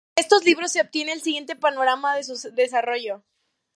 De estos libros se obtiene el siguiente panorama de su desarrollo.